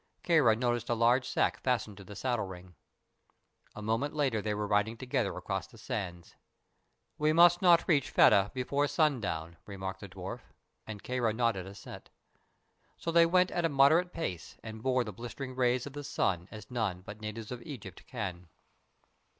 Kāra noticed a large sack fastened to the saddle ring. A moment later they were riding together across the sands. "We must not reach Fedah before sundown," remarked the dwarf, and Kāra nodded assent. So they went at a moderate pace and bore the blistering rays of the sun as none but natives of Egypt can.